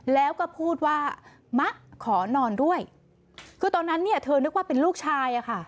แล้วก็พูดว่ามะขอนอนด้วยคือตอนนั้นเนี่ยเธอนึกว่าเป็นลูกชายอะค่ะ